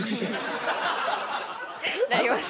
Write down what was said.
なります。